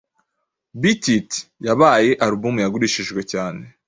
Beat it yabaye Album yagurishijwe cyane,